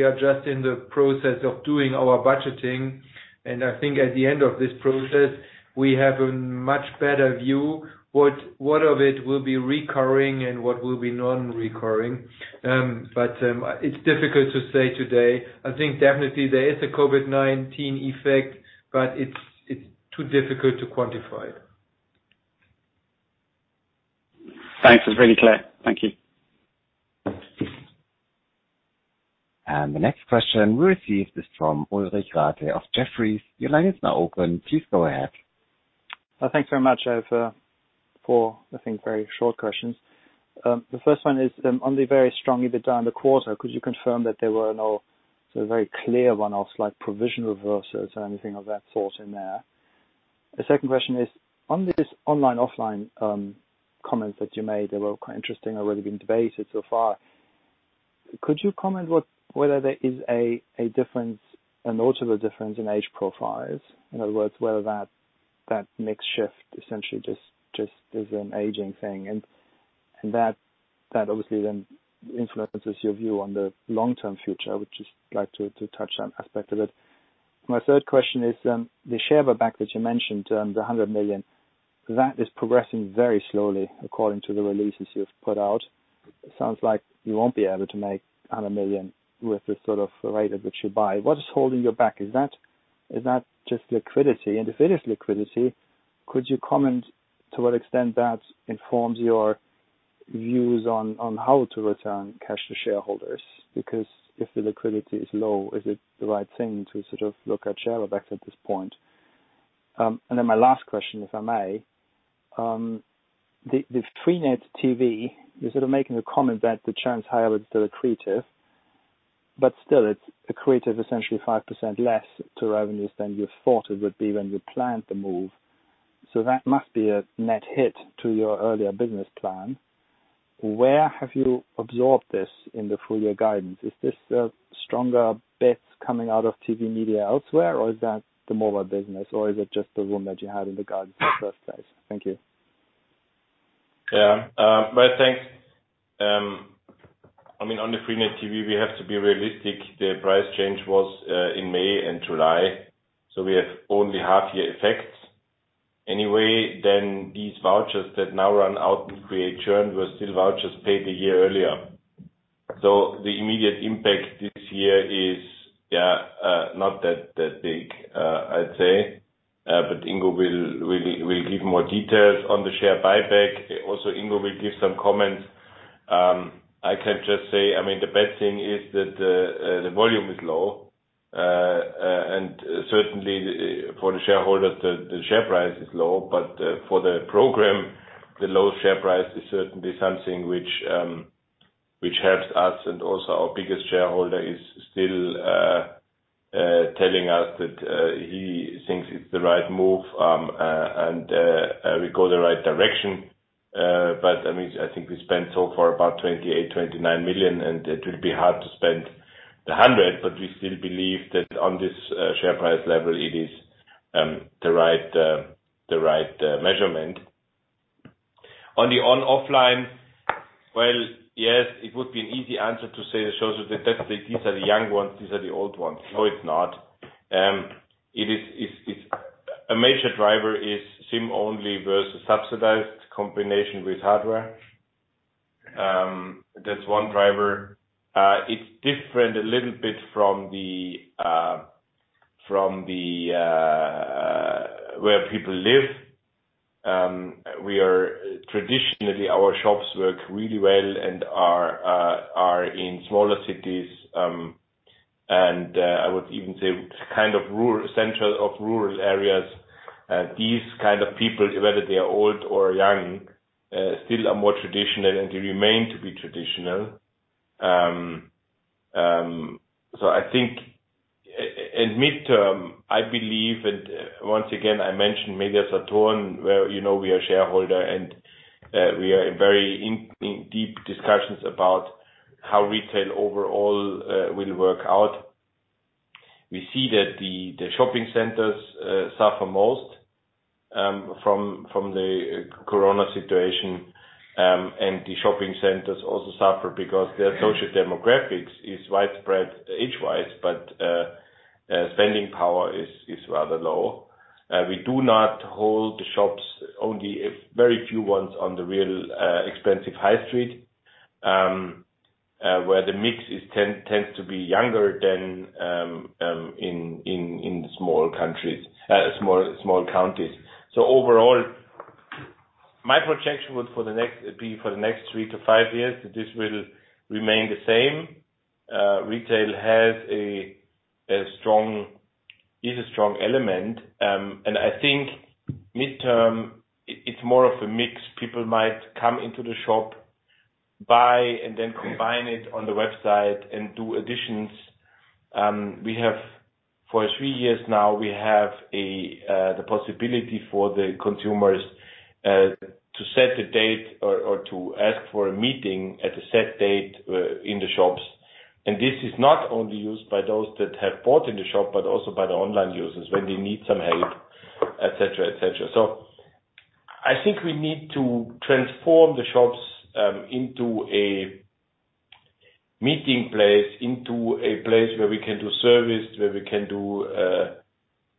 are just in the process of doing our budgeting, and I think at the end of this process, we have a much better view what of it will be recurring and what will be non-recurring. It's difficult to say today. I think definitely there is a COVID-19 effect, but it's too difficult to quantify. Thanks. It's really clear. Thank you. The next question we received is from Ulrich Rathe of Jefferies. Your line is now open. Please go ahead. Thanks very much. I have four, I think, very short questions. The first one is on the very strong EBITDA in the quarter, could you confirm that there were no sort of very clear one-offs like provision reversals or anything of that sort in there? The second question is, on this online/offline comments that you made that were quite interesting, already been debated so far, could you comment whether there is a notable difference in age profiles? In other words, whether that mix shift essentially just is an aging thing, and that obviously then influences your view on the long-term future. I would just like to touch on that aspect of it. My third question is, the share buyback that you mentioned, the 100 million, that is progressing very slowly according to the releases you've put out. It sounds like you won't be able to make 100 million with the sort of rate at which you buy. What is holding you back? Is that just liquidity? If it is liquidity, could you comment to what extent that informs your views on how to return cash to shareholders? If the liquidity is low, is it the right thing to sort of look at share buyback at this point? My last question, if I may. The freenet TV, you're sort of making a comment that the churn is higher but still accretive, it's accretive, essentially 5% less to revenues than you thought it would be when you planned the move. That must be a net hit to your earlier business plan. Where have you absorbed this in the full year guidance? Is this a stronger bit coming out of TV media elsewhere, or is that the mobile business, or is it just the room that you had in the guidance in the first place? Thank you. Yeah. Well, thanks. On the freenet TV, we have to be realistic. The price change was in May and July, so we have only half year effects. Anyway, these vouchers that now run out and create churn were still vouchers paid a year earlier. The immediate impact this year is not that big, I'd say. Ingo will give more details on the share buyback. Also, Ingo will give some comments. I can just say, the best thing is that the volume is low, and certainly for the shareholders, the share price is low, but for the program, the low share price is certainly something which helps us, and also our biggest shareholder is still telling us that he thinks it's the right move, and we go the right direction. I think we spent so far about 28 million, 29 million, and it will be hard to spend 100 million, but we still believe that on this share price level, it is the right measurement. On the on/offline, well, yes, it would be an easy answer to say that shows you that these are the young ones, these are the old ones. No, it's not. A major driver is SIM-only versus subsidized combination with hardware. That's one driver. It's different a little bit from where people live. Traditionally, our shops work really well and are in smaller cities, and I would even say kind of central of rural areas. These kind of people, whether they are old or young, still are more traditional, and they remain to be traditional. I think in mid-term, I believe, and once again, I mentioned Media-Saturn, where we are shareholder, and we are in very deep discussions about how retail overall will work out. We see that the shopping centers suffer most from the Corona situation. The shopping centers also suffer because their social demographics is widespread age-wise, but spending power is rather low. We do not hold the shops, only a very few ones on the real expensive high street, where the mix tends to be younger than in small counties. Overall, my projection would be for the next three to five years, that this will remain the same. Retail is a strong element. I think mid-term, it's more of a mix. People might come into the shop, buy, and then combine it on the website and do additions. For three years now, we have the possibility for the consumers to set a date or to ask for a meeting at a set date in the shops. This is not only used by those that have bought in the shop, but also by the online users when they need some help, et cetera. I think we need to transform the shops into a meeting place, into a place where we can do service, where we can do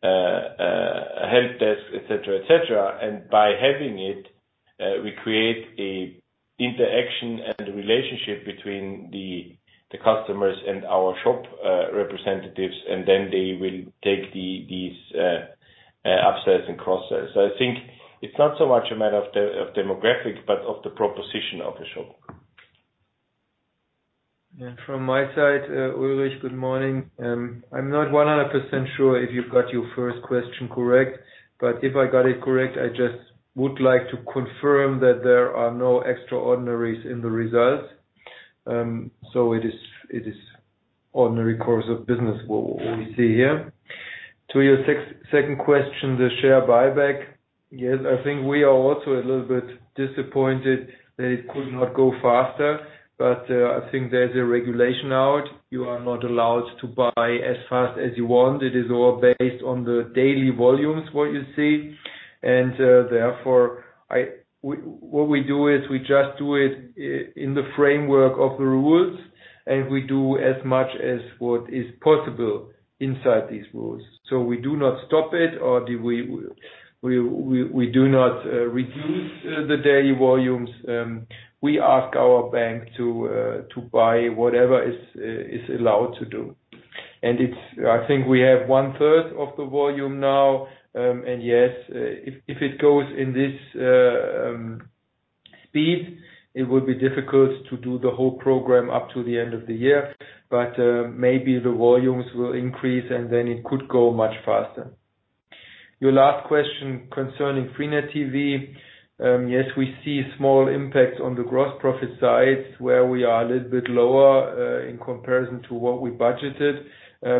a help desk, et cetera. By having it, we create interaction and relationship between the customers and our shop representatives, and then they will take these upsells and cross sells. I think it's not so much a matter of demographics, but of the proposition of the shop. From my side, Ulrich, good morning. I'm not 100% sure if you've got your first question correct, but if I got it correct, I just would like to confirm that there are no extraordinaries in the results. It is ordinary course of business, what we see here. To your second question, the share buyback. Yes, I think we are also a little bit disappointed that it could not go faster, but I think there's a regulation out. You are not allowed to buy as fast as you want. It is all based on the daily volumes, what you see. Therefore, what we do is we just do it in the framework of the rules, and we do as much as what is possible inside these rules. We do not stop it, or we do not reduce the daily volumes. We ask our bank to buy whatever is allowed to do. I think we have 1/3 of the volume now. Yes, if it goes in this speed, it will be difficult to do the whole program up to the end of the year. Maybe the volumes will increase, and then it could go much faster. Your last question concerning freenet TV. Yes, we see small impacts on the gross profit side, where we are a little bit lower in comparison to what we budgeted.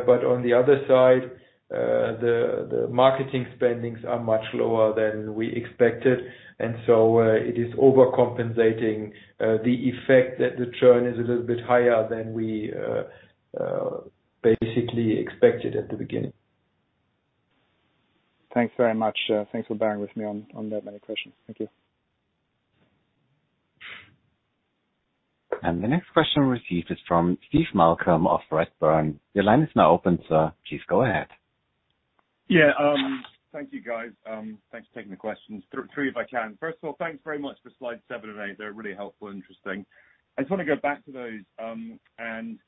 On the other side, the marketing spendings are much lower than we expected. It is overcompensating the effect that the churn is a little bit higher than we basically expected at the beginning. Thanks very much. Thanks for bearing with me on that many questions. Thank you. The next question received is from Steve Malcolm of Redburn. Your line is now open, sir. Please go ahead. Thank you, guys. Thanks for taking the questions. Three, if I can. First of all, thanks very much for slide seven and eight. They're really helpful, interesting. I just want to go back to those and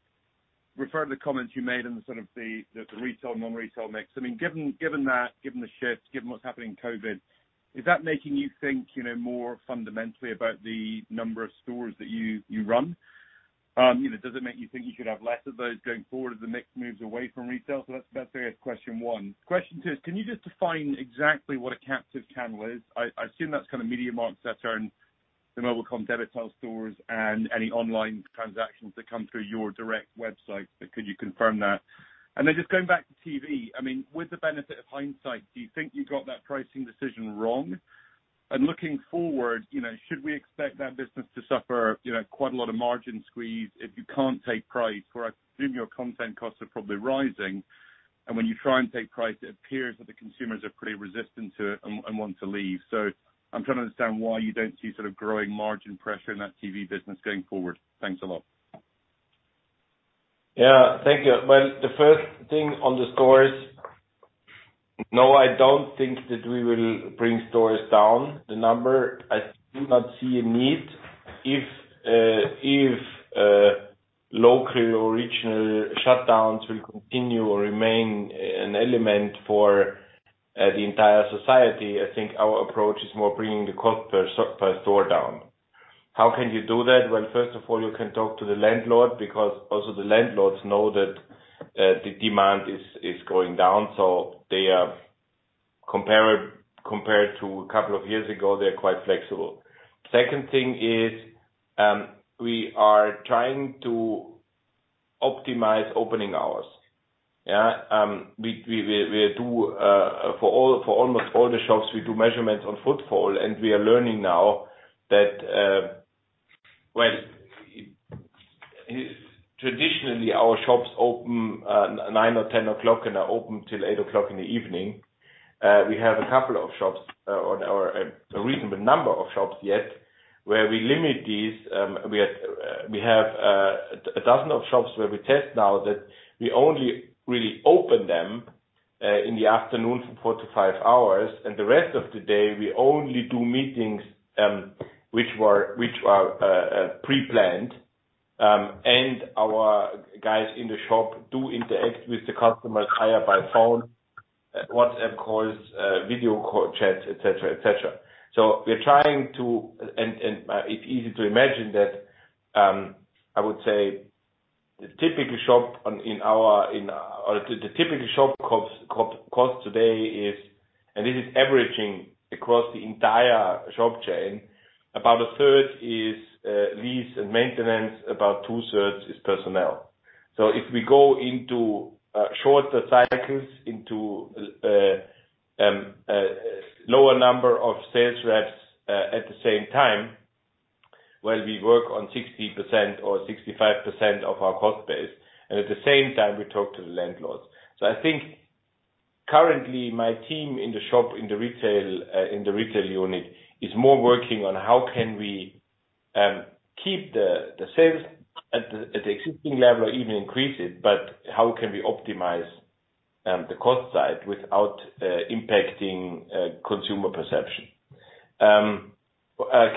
refer to the comments you made on the sort of the retail, non-retail mix. Given that, given the shift, given what's happening in COVID, is that making you think more fundamentally about the number of stores that you run? Does it make you think you should have less of those going forward as the mix moves away from retail? That's question one. Question two is, can you just define exactly what a captive channel is? I assume that's kind of MediaMarktSaturn, the mobilcom-debitel stores, and any online transactions that come through your direct website. Could you confirm that? Just going back to TV, with the benefit of hindsight, do you think you got that pricing decision wrong? Looking forward, should we expect that business to suffer quite a lot of margin squeeze if you can't take price? Where I assume your content costs are probably rising, and when you try and take price, it appears that the consumers are pretty resistant to it and want to leave. I'm trying to understand why you don't see sort of growing margin pressure in that TV business going forward. Thanks a lot. Yeah, thank you. Well, the first thing on the stores, no, I don't think that we will bring stores down the number. I do not see a need. If local or regional shutdowns will continue or remain an element for the entire society, I think our approach is more bringing the cost per store down. How can you do that? Well, first of all, you can talk to the landlord because also the landlords know that the demand is going down. They are, compared to a couple of years ago, they're quite flexible. Second thing is, we are trying to optimize opening hours. Yeah. For almost all the shops, we do measurements on footfall, and we are learning now that Well, traditionally our shops open nine or 10 o'clock and are open till eight o'clock in the evening. We have a reasonable number of shops yet, where we limit these. We have 12 of shops where we test now that we only really open them in the afternoon for four to five hours, and the rest of the day we only do meetings, which are pre-planned. Our guys in the shop do interact with the customers via by phone, WhatsApp calls, video call chats, et cetera. It's easy to imagine that, I would say the typical shop cost today is, and this is averaging across the entire shop chain, about 1/3 is lease and maintenance, about 2/3 is personnel. If we go into shorter cycles, into a lower number of sales reps at the same time, well, we work on 60% or 65% of our cost base, and at the same time we talk to the landlords. I think currently my team in the shop, in the retail unit, is more working on how can we keep the sales at the existing level or even increase it, but how can we optimize the cost side without impacting consumer perception.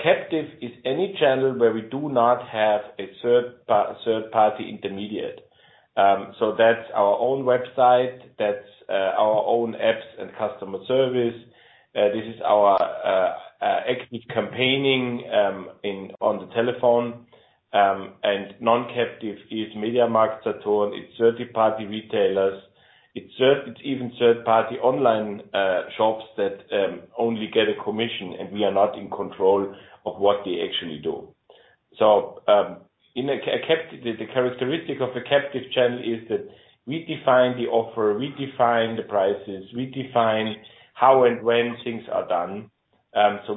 Captive is any channel where we do not have a third-party intermediate. That's our own website, that's our own apps and customer service. This is our active campaigning on the telephone. Non-captive is MediaMarktSaturn, it's third-party retailers. It's even third-party online shops that only get a commission, and we are not in control of what they actually do. The characteristic of a captive channel is that we define the offer, we define the prices, we define how and when things are done.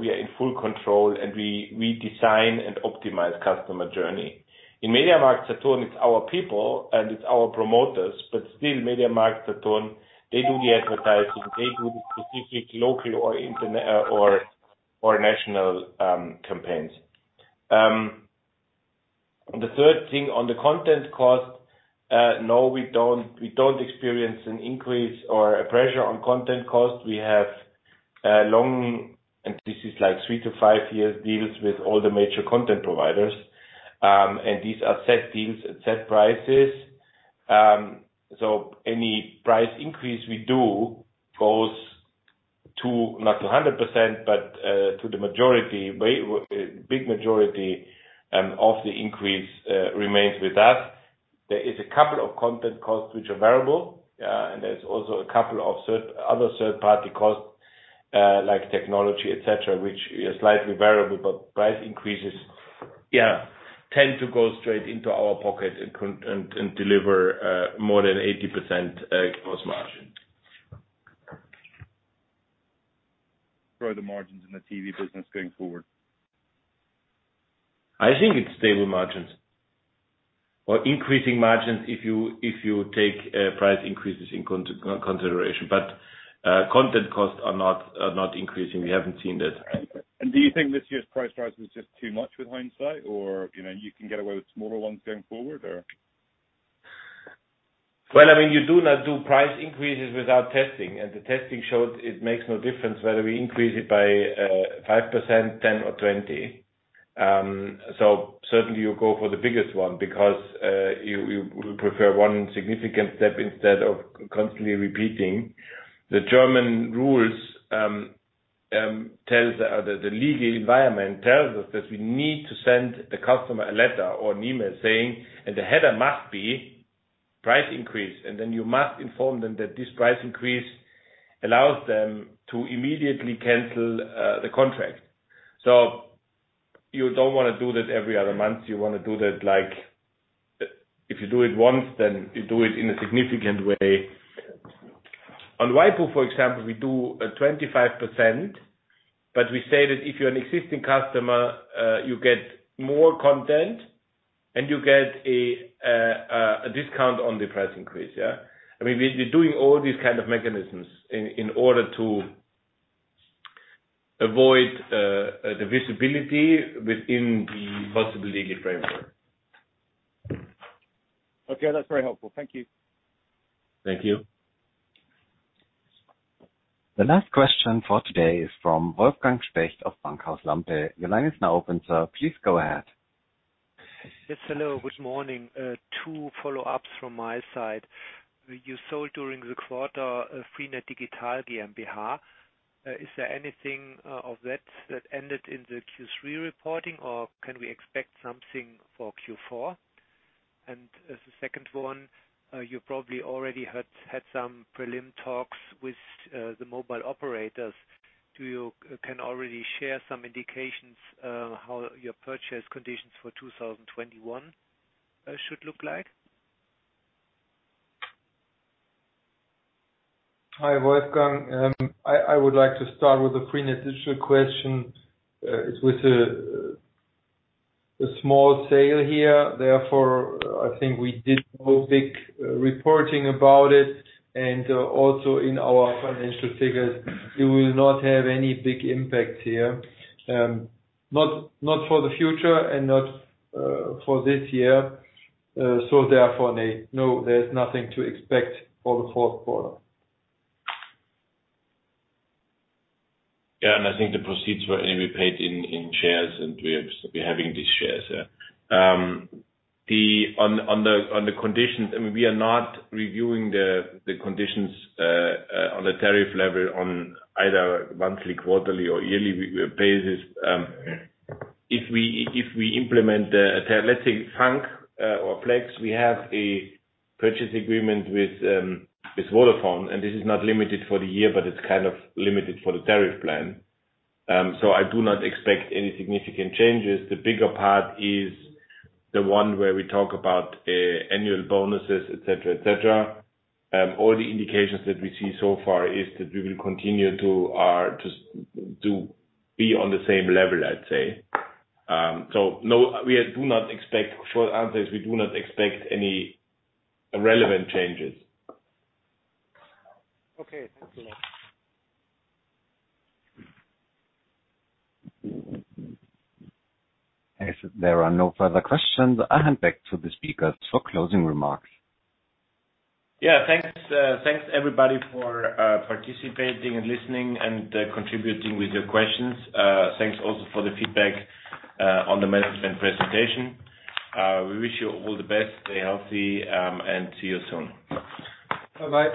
We are in full control, and we design and optimize customer journey. In MediaMarktSaturn, it's our people and it's our promoters, but still MediaMarktSaturn, they do the advertising, they do the specific local or national campaigns. The third thing on the content cost, no, we don't experience an increase or a pressure on content cost. We have long, and this is like three to five-year deals with all the major content providers. These are set deals at set prices. Any price increase we do goes to, not 100%, but to the majority. Big majority of the increase remains with us. There is a couple of content costs which are variable, and there's also a couple of other third-party costs, like technology, et cetera, which is slightly variable. Price increases tend to go straight into our pocket and deliver more than 80% gross margin. Grow the margins in the TV business going forward? I think it's stable margins. Increasing margins if you take price increases in consideration. Content costs are not increasing. We haven't seen that. Do you think this year's price rise was just too much with hindsight? Can you get away with smaller ones going forward? Well, you do not do price increases without testing, and the testing showed it makes no difference whether we increase it by 5%, 10%, or 20%. Certainly you go for the biggest one because you will prefer one significant step instead of constantly repeating. The German rules, the legal environment tells us that we need to send the customer a letter or an email saying, and the header must be "Price increase." You must inform them that this price increase allows them to immediately cancel the contract. You don't want to do this every other month. You want to do that, if you do it once, then you do it in a significant way. On waipu, for example, we do a 25%, but we say that if you're an existing customer, you get more content and you get a discount on the price increase. We're doing all these kind of mechanisms in order to avoid the visibility within the possible legal framework. Okay, that's very helpful. Thank you. Thank you. The last question for today is from Wolfgang Specht of Bankhaus Lampe. Your line is now open, sir. Please go ahead. Yes. Hello, good morning. Two follow-ups from my side. You sold during the quarter freenet digital GmbH. Is there anything of that that ended in the Q3 reporting, or can we expect something for Q4? The second one, you probably already had some prelim talks with the mobile operators. Can you already share some indications how your purchase conditions for 2021 should look like? Hi, Wolfgang. I would like to start with the freenet digital question. It's with a small sale here, therefore, I think we did no big reporting about it, and also in our financial figures, it will not have any big impact here. Not for the future and not for this year. No, there's nothing to expect for the fourth quarter. I think the proceeds were only paid in shares, and we're still having these shares. On the conditions, we are not reviewing the conditions on a tariff level on either monthly, quarterly, or yearly basis. If we implement, let's say, FUNK or FLEX, we have a purchase agreement with Vodafone, and this is not limited for the year, but it's limited for the tariff plan. I do not expect any significant changes. The bigger part is the one where we talk about annual bonuses, et cetera. All the indications that we see so far is that we will continue to be on the same level, I'd say. Short answer is we do not expect any relevant changes. Okay. Thank you. As there are no further questions, I hand back to the speakers for closing remarks. Yeah. Thanks everybody for participating and listening and contributing with your questions. Thanks also for the feedback on the management presentation. We wish you all the best. Stay healthy. See you soon. Bye-bye.